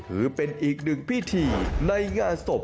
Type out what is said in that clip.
ถือเป็นอีกหนึ่งพิธีในงานศพ